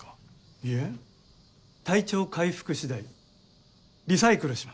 いえ体調回復次第リサイクルします。